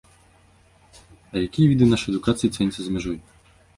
А якія віды нашай адукацыя цэняцца за мяжой?